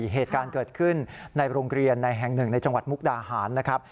เหตุการณ์เกิดขึ้นในโรงเรียนในแห่งหนึ่งในจังหวัดมุกดาหารนะครับ